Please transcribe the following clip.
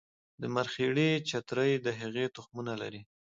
د مرخیړي چترۍ د هغې تخمونه لري